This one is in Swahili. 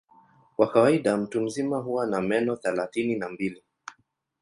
Kwa kawaida mtu mzima huwa na meno thelathini na mbili.